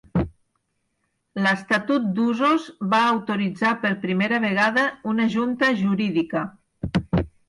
L'Estatut d'Usos va autoritzar per primera vegada una junta jurídica.